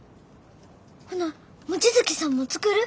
ほな望月さんも作る？